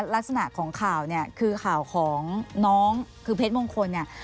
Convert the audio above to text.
ลักษณะของข่าวเนี่ยคือข่าวของน้องคือเพชรมงคลเนี่ย